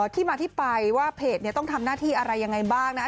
ที่มาที่ไปว่าเพจเนี่ยต้องทำหน้าที่อะไรยังไงบ้างนะ